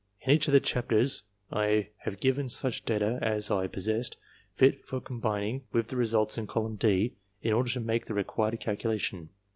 In each of the chapters I have given such data as I possessed, fit for combining with the results in column D, in order to make the required calculation.